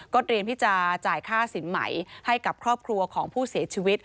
เตรียมที่จะจ่ายค่าสินใหม่ให้กับครอบครัวของผู้เสียชีวิต